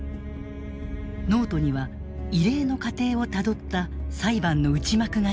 ノートには異例の過程をたどった裁判の内幕が記されている。